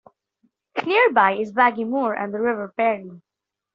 Nearby is Baggy Moor and the River Perry.